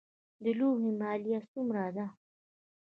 د لوحې مالیه څومره ده؟